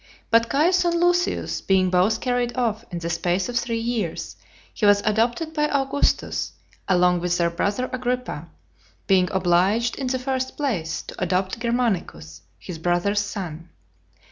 But Caius and Lucius being both carried off in the space of three years, he was adopted by Augustus, along with their brother Agrippa; being obliged in the first place to adopt Germanicus, his brother's son.